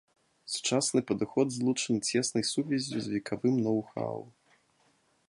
Сучасны падыход злучаны цеснай сувяззю з векавым ноу-хау.